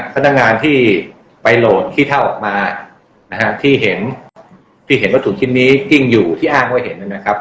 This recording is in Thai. พนักงานที่ไปโหลดคี่เท่าออกมาที่เห็นวัตถุชิ้นนี้กิ้งอยู่ที่อ้างไว้เห็น